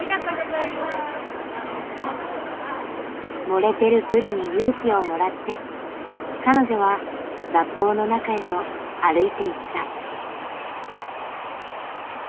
盛れてるプリに勇気をもらって彼女は雑踏の中へと歩いていった。